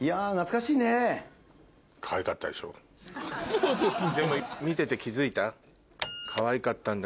そうですね。